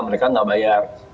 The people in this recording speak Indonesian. mereka tidak bayar